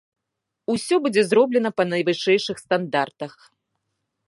Усё будзе зроблена па найвышэйшых стандартах.